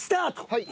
はい。